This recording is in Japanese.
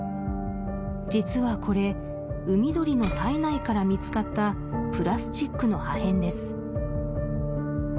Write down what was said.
実はこれウミドリの体内から見つかったプラスチックの破片です